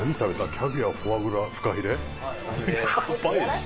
キャビアフォアグラフカヒレ？